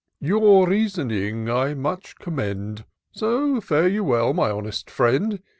" Your reasoning I much commend ; So fare you well, my honest friend.